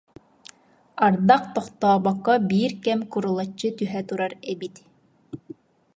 Ардах тохтообокко биир кэм курулаччы түһэ турар эбит